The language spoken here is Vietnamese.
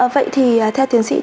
vậy thì theo tiền sĩ